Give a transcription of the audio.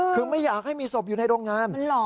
คือไม่อยากให้มีศพอยู่ในโรงงาน